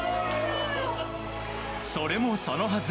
それもそのはず。